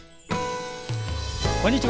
こんにちは。